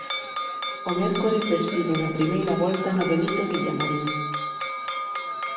O mércores despiden a primeira volta no Benito Villamarín.